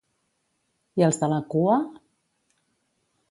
I els de la cua?